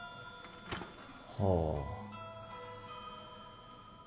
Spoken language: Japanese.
はあ。